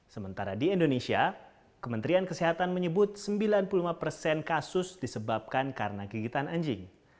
sementara di indonesia kementerian kesehatan menyebut sembilan puluh lima persen kasus disebabkan karena gigitan anjing